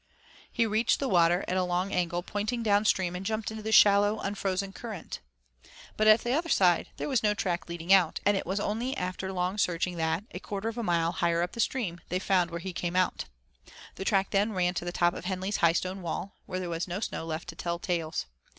He reached the water at a long angle pointing down stream and jumped into the shallow, unfrozen current. But at the other side there was no track leading out, and it was only after long searching that, a quarter of a mile higher up the stream, they found where he had come out. The track then ran to the top of Henley's high stone wall, where there was no snow left to tell tales.